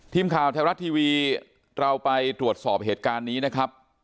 ทีมข่าวไทยรัฐทีวีเราไปตรวจสอบเหตุการณ์นี้นะครับ